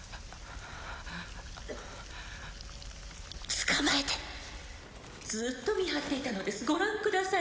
捕まえてずっと見張っていたのですご覧ください